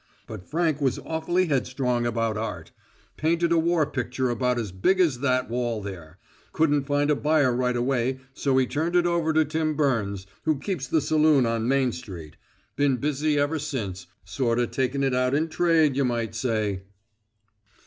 But Frank was awfully headstrong about art. Painted a war picture about as big as that wall there. Couldn't find a buyer right away, so he turned it over to Tim Burns, who keeps the saloon on Main Street. Been busy ever since, sorta taking it out in trade, you might say."